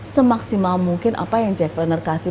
semaksimal mungkin apa yang jack planner kasih